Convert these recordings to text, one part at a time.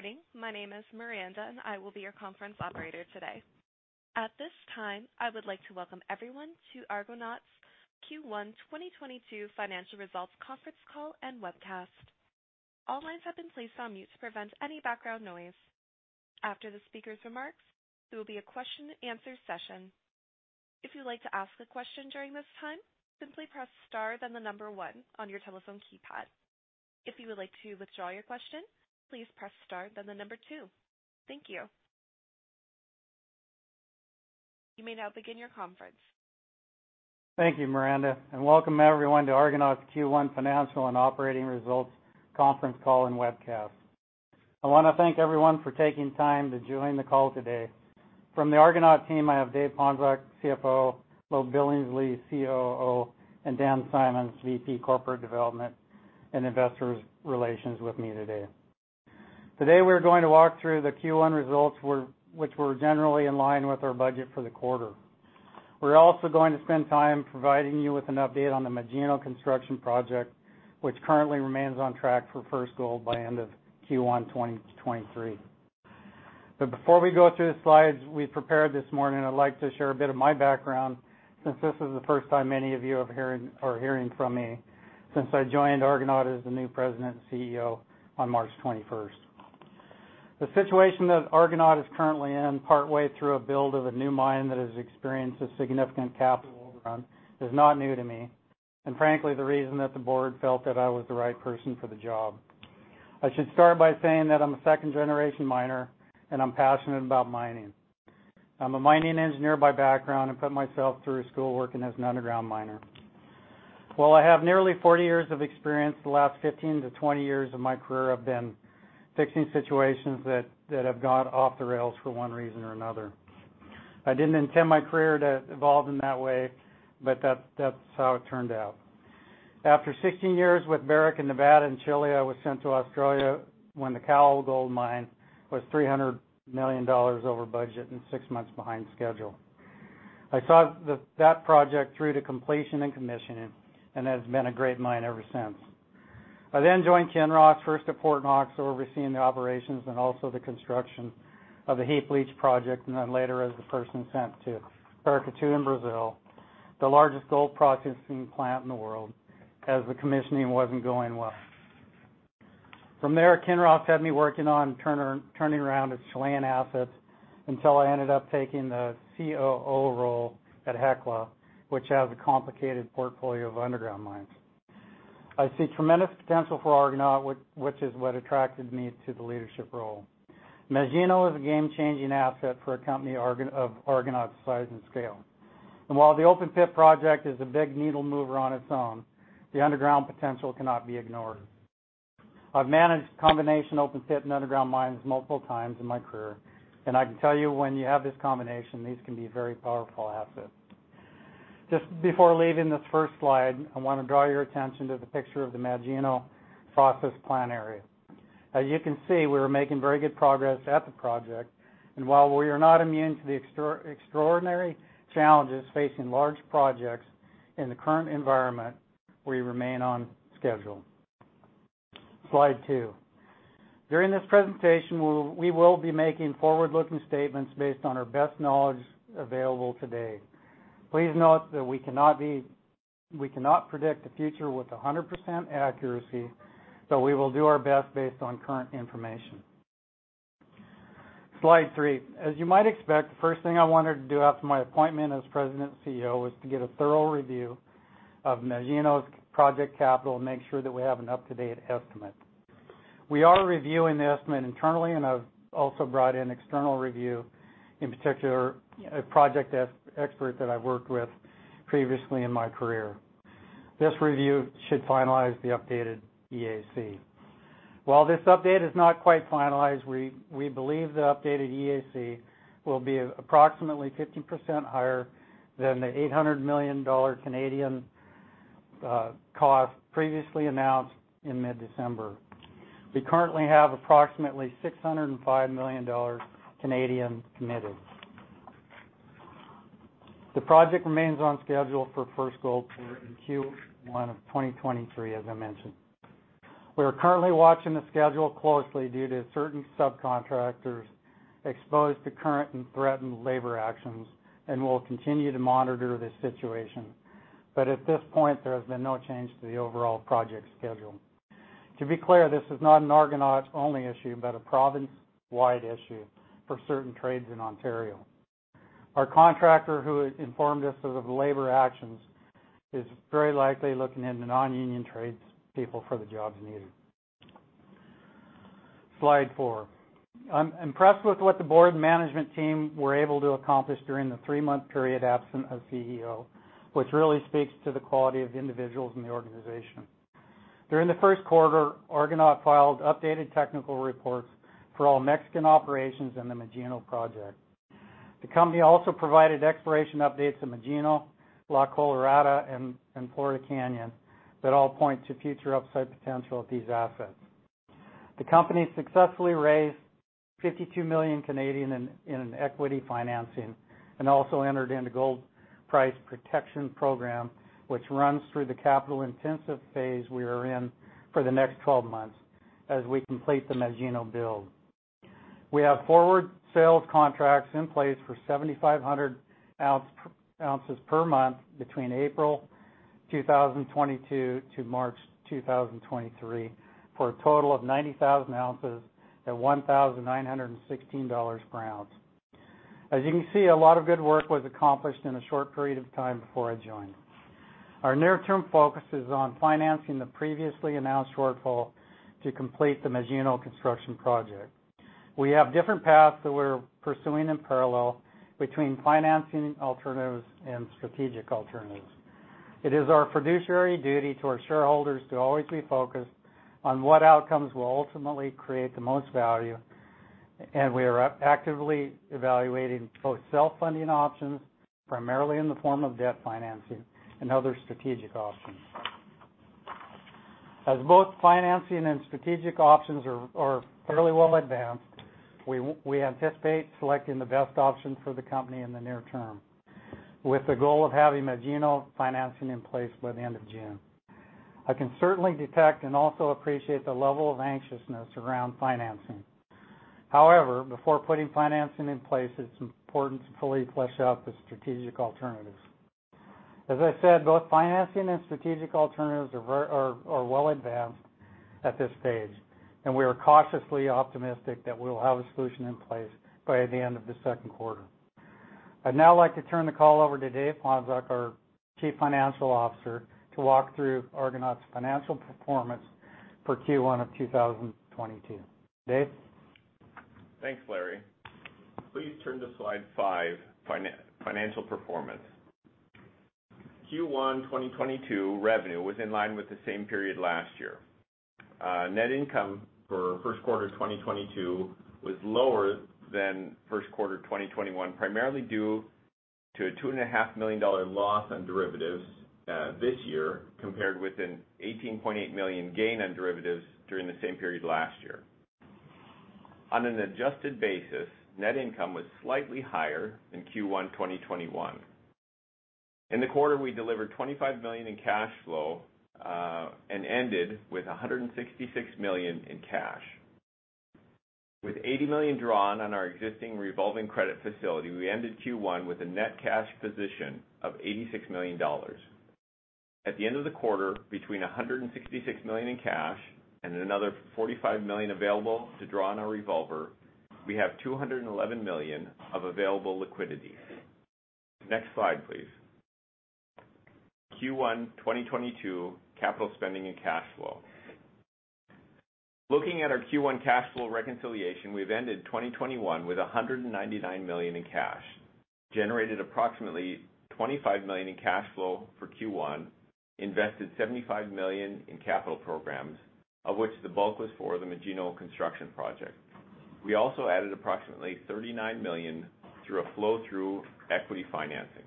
Good morning. My name is Miranda, and I will be your conference operator today. At this time, I would like to Welcome everyone to Argonaut's Q1 2022 Financial Results Conference Call and Webcast. All lines have been placed on mute to prevent any background noise. After the speaker's remarks, there will be a question and answer session. If you'd like to ask a question during this time, simply press star then the number one on your telephone keypad. If you would like to withdraw your question, please press star then the number two. Thank you. You may now begin your conference. Thank you, Miranda, and Welcome everyone to Argonaut's Q1 Financial and Operating Results Conference Call and Webcast. I wanna thank everyone for taking time to join the call today. From the Argonaut team, I have Dave Ponczoch, CFO, Lowe Billingsley, COO, and Dan Symons, VP Corporate Development and Investor Relations with me today. Today, we're going to walk through the Q1 results which were generally in line with our budget for the quarter. We're also going to spend time providing you with an update on the Magino Construction Project, which currently remains on track for first gold by end of Q1 2023. Before we go through the slides we prepared this morning, I'd like to share a bit of my background since this is the first time many of you are hearing from me since I joined Argonaut as the new President and CEO on March 21. The situation that Argonaut is currently in partway through a build of a new mine that has experienced a significant capital overrun is not new to me, and frankly, the reason that the board felt that I was the right person for the job. I should start by saying that I'm a second-generation miner, and I'm passionate about mining. I'm a mining engineer by background and put myself through school working as an underground miner. While I have nearly 40 years of experience, the last 15-20 years of my career have been fixing situations that have gone off the rails for one reason or another. I didn't intend my career to evolve in that way, but that's how it turned out. After 16 years with Barrick Gold in Nevada and Chile, I was sent to Australia when the Cowal Gold Mine was $300 million over budget and six months behind schedule. I saw that project through to completion and commissioning, and it has been a great mine ever since. I then joined Kinross Gold, first at Fort Knox, overseeing the operations and also the construction of the heap leach project, and then later as the person sent to Paracatu in Brazil, the largest gold processing plant in the world, as the commissioning wasn't going well. From there, Kinross had me working on turning around its Chilean assets until I ended up taking the COO role at Hecla, which has a complicated portfolio of underground mines. I see tremendous potential for Argonaut, which is what attracted me to the leadership role. Magino is a game-changing asset for a company of Argonaut's size and scale. While the open pit project is a big needle mover on its own, the underground potential cannot be ignored. I've managed combination open pit and underground mines multiple times in my career, and I can tell you when you have this combination, these can be very powerful assets. Just before leaving this first slide, I wanna draw your attention to the picture of the Magino process plant area. As you can see, we're making very good progress at the project. While we are not immune to the extraordinary challenges facing large projects in the current environment, we remain on schedule. Slide two. During this presentation, we will be making forward-looking statements based on our best knowledge available today. Please note that we cannot predict the future with 100% accuracy, but we will do our best based on current information. Slide three. As you might expect, the first thing I wanted to do after my appointment as President and CEO was to get a thorough review of Magino's project capital and make sure that we have an up-to-date estimate. We are reviewing the estimate internally, and I've also brought in external review, in particular, a project expert that I worked with previously in my career. This review should finalize the updated EAC. While this update is not quite finalized, we believe the updated EAC will be approximately 50% higher than the 800 million Canadian dollars cost previously announced in mid-December. We currently have approximately 605 million Canadian dollars committed. The project remains on schedule for first gold pour in Q1 of 2023, as I mentioned. We are currently watching the schedule closely due to certain subcontractors exposed to current and threatened labor actions, and we'll continue to monitor the situation. At this point, there has been no change to the overall project schedule. To be clear, this is not an Argonaut-only issue, but a province-wide issue for certain trades in Ontario. Our contractor who informed us of labor actions is very likely looking into non-union tradespeople for the jobs needed. Slide four. I'm impressed with what the board management team were able to accomplish during the three-month period absent of CEO, which really speaks to the quality of the individuals in the organization. During the first quarter, Argonaut filed updated technical reports for all Mexican operations in the Magino project. The company also provided exploration updates to Magino, La Colorada, and Florida Canyon that all point to future upside potential of these assets. The company successfully raised 52 million in an equity financing, and also entered into gold price protection program, which runs through the capital-intensive phase we are in for the next 12 months as we complete the Magino build. We have forward sales contracts in place for 7,500 ounces per month between April 2022 to March 2023, for a total of 90,000 ounces at $1,916 per ounce. As you can see, a lot of good work was accomplished in a short period of time before I joined. Our near-term focus is on financing the previously announced shortfall to complete the Magino Construction Project. We have different paths that we're pursuing in parallel between financing alternatives and strategic alternatives. It is our fiduciary duty to our shareholders to always be focused on what outcomes will ultimately create the most value, and we are actively evaluating both self-funding options, primarily in the form of debt financing and other strategic options. As both financing and strategic options are fairly well advanced, we anticipate selecting the best option for the company in the near term, with the goal of having Magino financing in place by the end of June. I can certainly detect and also appreciate the level of anxiousness around financing. However, before putting financing in place, it's important to fully flesh out the strategic alternatives. As I said, both financing and strategic alternatives are well advanced at this stage, and we are cautiously optimistic that we will have a solution in place by the end of the second quarter. I'd now like to turn the call over to Dave Ponczoch, our Chief Financial Officer, to walk through Argonaut's financial performance for Q1 of 2022. Dave? Thanks, Larry. Please turn to slide five, financial performance. Q1 2022 revenue was in line with the same period last year. Net income for first quarter 2022 was lower than first quarter 2021, primarily due to a $2.5 million loss on derivatives this year compared with an $18.8 million gain on derivatives during the same period last year. On an adjusted basis, net income was slightly higher than Q1 2021. In the quarter, we delivered $25 million in cash flow and ended with $166 million in cash. With $80 million drawn on our existing revolving credit facility, we ended Q1 with a net cash position of $86 million. At the end of the quarter, between $166 million in cash and another $45 million available to draw on our revolver, we have $211 million of available liquidity. Next slide, please. Q1 2022 capital spending and cash flow. Looking at our Q1 cash flow reconciliation, we've ended 2021 with $199 million in cash, generated approximately $25 million in cash flow for Q1, invested $75 million in capital programs, of which the bulk was for the Magino Construction Project. We also added approximately $39 million through a flow-through equity financing.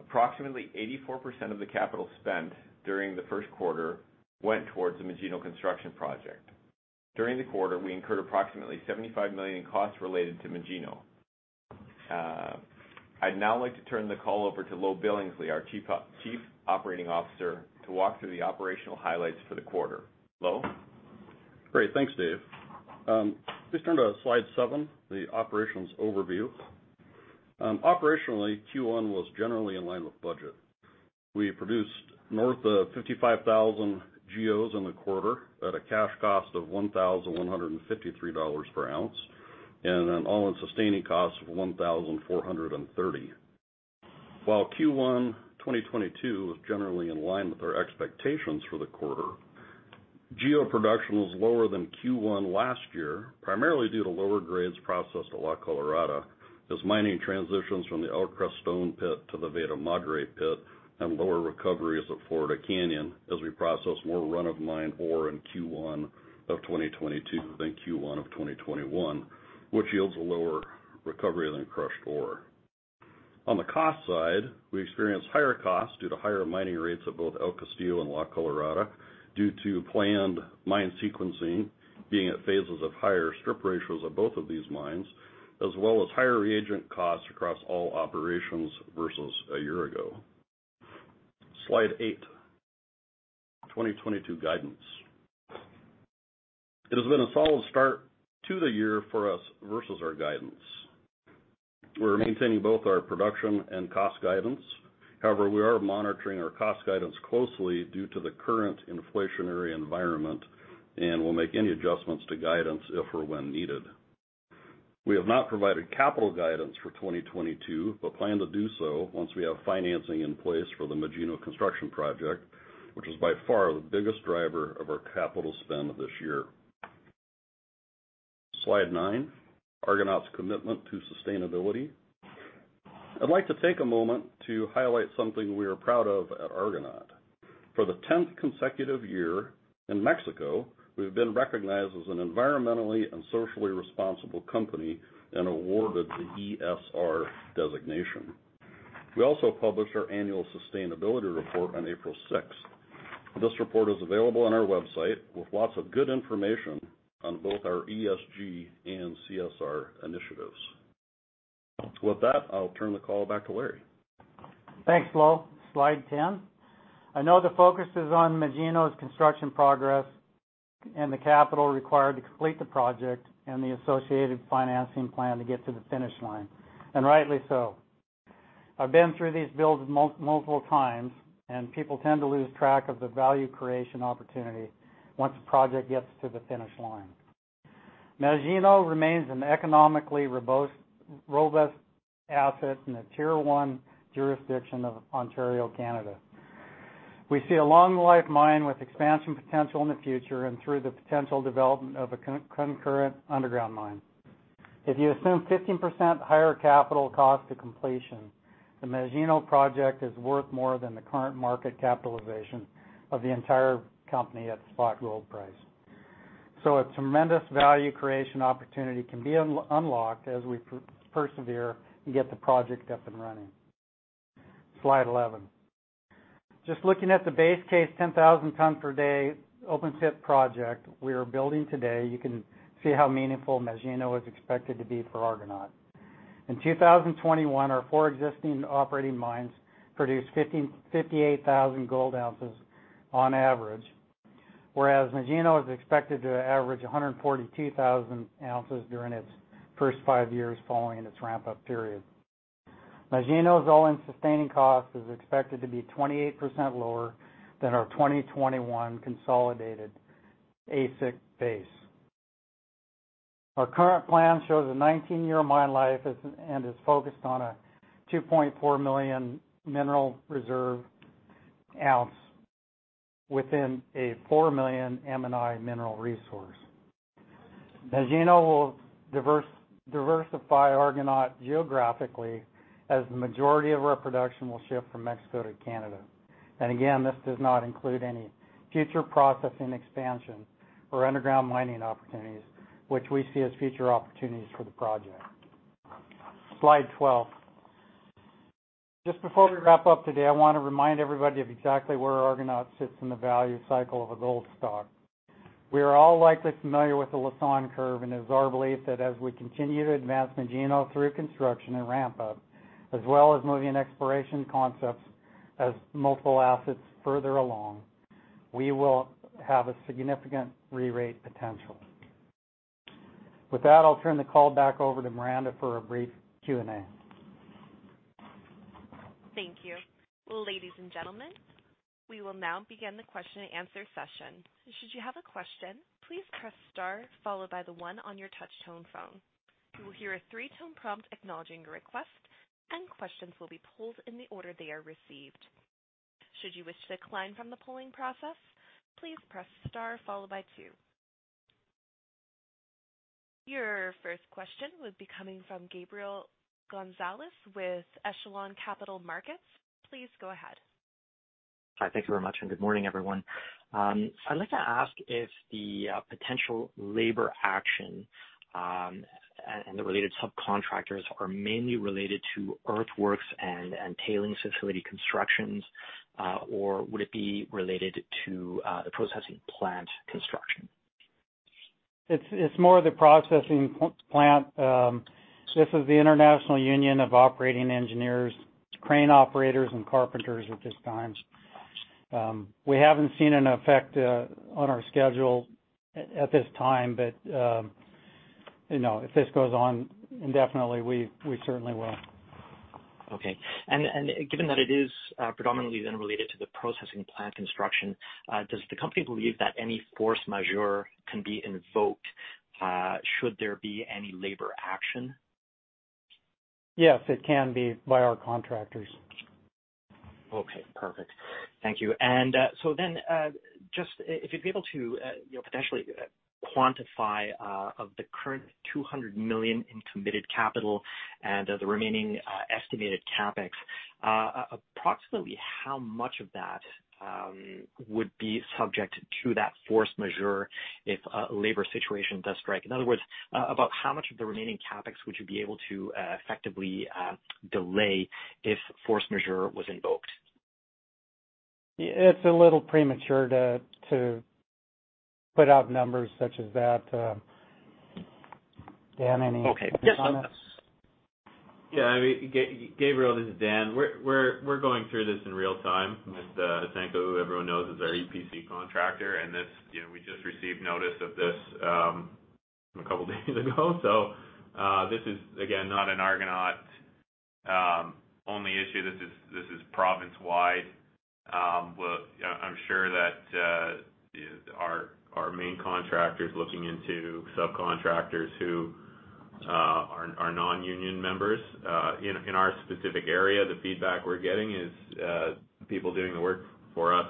Approximately 84% of the capital spent during the first quarter went towards the Magino Construction Project. During the quarter, we incurred approximately $75 million in costs related to Magino. I'd now like to turn the call over to Lowe Billingsley, our Chief Operating Officer, to walk through the operational highlights for the quarter. Lowe? Great. Thanks, Dave. Please turn to slide seven, the operations overview. Operationally, Q1 was generally in line with budget. We produced north of 55,000 GEOs in the quarter at a cash cost of $1,153 per ounce and an all-in sustaining cost of $1,430. While Q1 2022 was generally in line with our expectations for the quarter, GEO production was lower than Q1 last year, primarily due to lower grades processed at La Colorada as mining transitions from the El Creston pit to the Veta Madre pit and lower recoveries at Florida Canyon as we processed more run of mine ore in Q1 of 2022 than Q1 of 2021, which yields a lower recovery than crushed ore. On the cost side, we experienced higher costs due to higher mining rates at both El Castillo and La Colorada due to planned mine sequencing being at phases of higher strip ratios at both of these mines, as well as higher reagent costs across all operations vs a year ago. Slide eight, 2022 guidance. It has been a solid start to the year for us vs our guidance. We're maintaining both our production and cost guidance. However, we are monitoring our cost guidance closely due to the current inflationary environment, and we'll make any adjustments to guidance if or when needed. We have not provided capital guidance for 2022, but plan to do so once we have financing in place for the Magino Construction Project, which is by far the biggest driver of our capital spend this year. Slide nine, Argonaut's commitment to sustainability. I'd like to take a moment to highlight something we are proud of at Argonaut. For the tenth consecutive year in Mexico, we've been recognized as an environmentally and socially responsible company and awarded the ESR designation. We also published our annual sustainability report on April 6th. This report is available on our website with lots of good information on both our ESG and CSR initiatives. With that, I'll turn the call back to Larry. Thanks, Lowe. Slide 10. I know the focus is on Magino's construction progress and the capital required to complete the project and the associated financing plan to get to the finish line, and rightly so. I've been through these builds multiple times, and people tend to lose track of the value creation opportunity once a project gets to the finish line. Magino remains an economically robust asset in the tier one jurisdiction of Ontario, Canada. We see a long life mine with expansion potential in the future and through the potential development of a concurrent underground mine. If you assume 15% higher capital cost to completion, the Magino project is worth more than the current market capitalization of the entire company at spot gold price. A tremendous value creation opportunity can be unlocked as we persevere and get the project up and running. Slide 11. Just looking at the base case, 10,000-ton-per-day open-pit project we are building today, you can see how meaningful Magino is expected to be for Argonaut. In 2021, our four existing operating mines produced 58,000 gold ounces on average, whereas Magino is expected to average 142,000 ounces during its first five years following its ramp-up period. Magino's all-in sustaining cost is expected to be 28% lower than our 2021 consolidated AISC base. Our current plan shows a 19-year mine life and is focused on a 2.4 million mineral reserve ounce within a 4 million M&I mineral resource. Magino will diversify Argonaut geographically as the majority of our production will shift from Mexico to Canada. Again, this does not include any future processing expansion or underground mining opportunities which we see as future opportunities for the project. Slide 12. Just before we wrap up today, I wanna remind everybody of exactly where Argonaut sits in the value cycle of a gold stock. We are all likely familiar with the Lassonde Curve, and it is our belief that as we continue to advance Magino through construction and ramp up, as well as moving exploration concepts as multiple assets further along, we will have a significant re-rate potential. With that, I'll turn the call back over to Miranda for a brief Q&A. Thank you. Ladies and gentlemen, we will now begin the question and answer session. Should you have a question, please press star followed by the one on your touch tone phone. You will hear a three-tone prompt acknowledging your request, and questions will be pulled in the order they are received. Should you wish to decline from the polling process, please press star followed by two. Your first question would be coming from Gabriel Gonzalez with Echelon Capital Markets. Please go ahead. Hi. Thank you very much, and good morning, everyone. I'd like to ask if the potential labor action and the related subcontractors are mainly related to earthworks and tailings facility constructions, or would it be related to the processing plant construction? It's more of the processing plant. This is the International Union of Operating Engineers, crane operators and carpenters at this time. We haven't seen an effect on our schedule at this time. You know, if this goes on indefinitely, we certainly will. Given that it is predominantly then related to the processing plant construction, does the company believe that any force majeure can be invoked, should there be any labor action? Yes, it can be by our contractors. Okay. Perfect. Thank you. If you'd be able to, you know, potentially, quantify of the current $200 million in committed capital and the remaining estimated CapEx, approximately how much of that would be subject to that force majeure if a labor situation does strike? In other words, about how much of the remaining CapEx would you be able to effectively delay if force majeure was invoked? It's a little premature to put out numbers such as that. Dan, Okay. Thoughts on this? I mean, Gabriel, this is Dan. We're going through this in real time with Ausenco, who everyone knows is our EPC contractor, and this, you know, we just received notice of this a couple days ago. This is again not an Argonaut only issue. This is province-wide. Well, I'm sure that our main contractor is looking into subcontractors who are non-union members. In our specific area, the feedback we're getting is people doing the work for us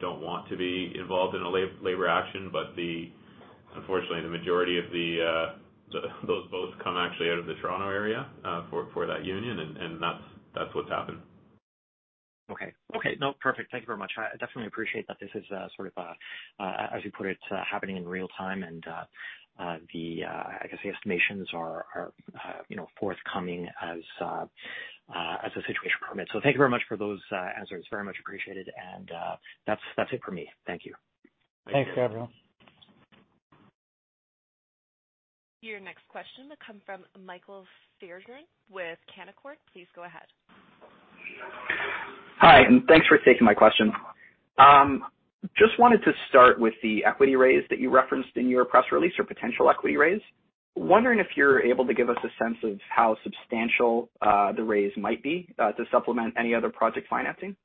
don't want to be involved in a labor action. Unfortunately, the majority of those both come actually out of the Toronto area for that union and that's what's happened. Okay. No, perfect. Thank you very much. I definitely appreciate that this is sort of, as you put it, happening in real time and the I guess the estimations are, you know, forthcoming as the situation permits. Thank you very much for those answers. Very much appreciated. That's it for me. Thank you. Thanks, Gabriel. Your next question will come from Michael Fairbairn with Canaccord. Please go ahead. Hi, thanks for taking my question. Just wanted to start with the equity raise that you referenced in your press release or potential equity raise. Wondering if you're able to give us a sense of how substantial the raise might be to supplement any other project financing.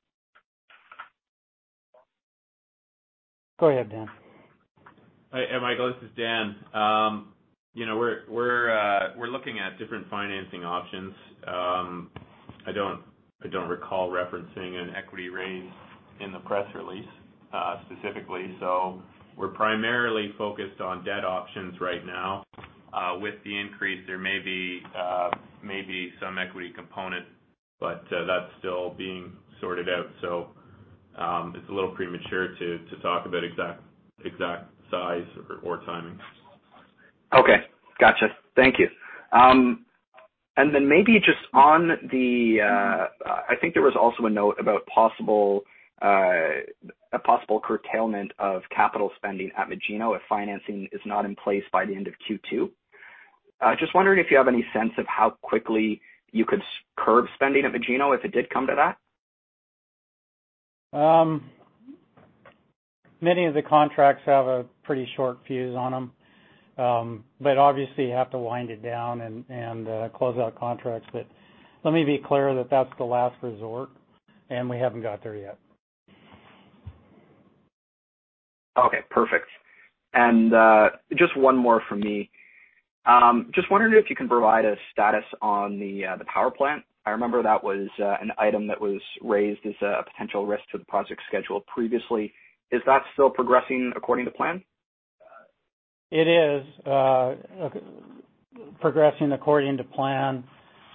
Go ahead, Dan. Hi, Michael. This is Dan. You know, we're looking at different financing options. I don't recall referencing an equity raise in the press release, specifically. We're primarily focused on debt options right now. With the increase, there may be some equity component, but that's still being sorted out. It's a little premature to talk about exact size or timing. Okay. Gotcha. Thank you. Maybe just on the, I think there was also a note about a possible curtailment of capital spending at Magino if financing is not in place by the end of Q2. Just wondering if you have any sense of how quickly you could curb spending at Magino if it did come to that. Many of the contracts have a pretty short fuse on them. Obviously, you have to wind it down and close out contracts. Let me be clear that that's the last resort, and we haven't got there yet. Okay, perfect. Just one more from me. Just wondering if you can provide a status on the power plant. I remember that was an item that was raised as a potential risk to the project schedule previously. Is that still progressing according to plan? It is progressing according to plan.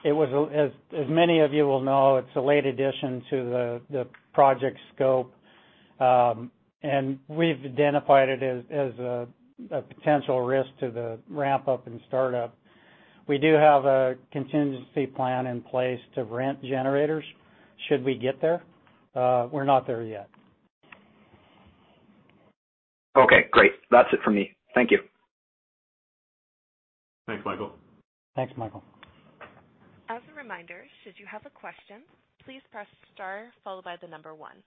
As many of you will know, it's a late addition to the project scope. We've identified it as a potential risk to the ramp-up and start-up. We do have a contingency plan in place to rent generators should we get there. We're not there yet. Okay, great. That's it for me. Thank you. Thanks, Michael. Thanks, Michael. As a reminder, should you have a question, please press star followed by the number one.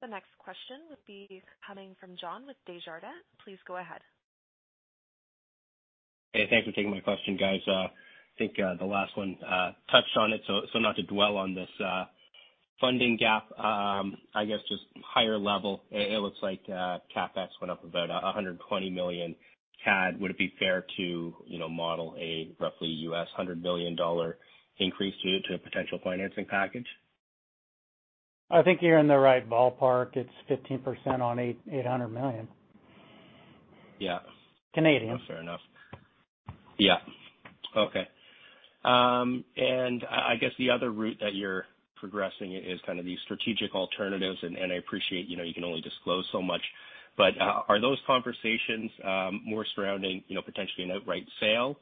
The next question would be coming from John with Desjardins. Please go ahead. Hey, thanks for taking my question, guys. I think the last one touched on it, so not to dwell on this funding gap. I guess just higher level, it looks like CapEx went up about CAD 120 million. Would it be fair to, you know, model a roughly 100 million dollar increase due to a potential financing package? I think you're in the right ballpark. It's 15% on 800 million. Yeah. Canadian. Fair enough. Yeah. Okay. I guess the other route that you're progressing is kind of these strategic alternatives. I appreciate, you know, you can only disclose so much. Are those conversations more surrounding, you know, potentially an outright sale?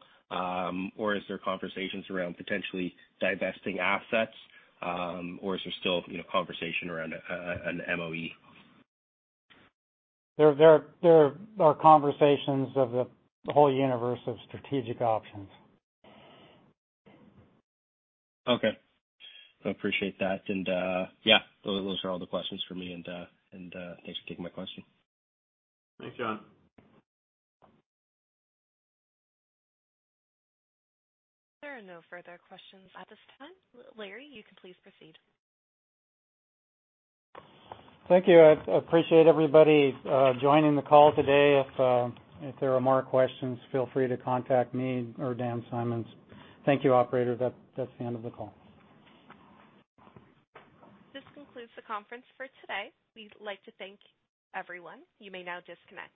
Is there conversations around potentially divesting assets? Is there still, you know, conversation around an MOE? There are conversations of the whole universe of strategic options. Okay. I appreciate that. Yeah, those are all the questions for me. Thanks for taking my question. Thanks, John. There are no further questions at this time. Larry, you can please proceed. Thank you. I appreciate everybody joining the call today. If there are more questions, feel free to contact me or Dan Symons. Thank you, operator. That's the end of the call. This concludes the conference for today. We'd like to thank everyone. You may now disconnect.